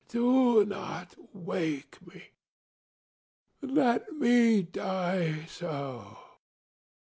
Do not wake me! ŌĆölet me die so!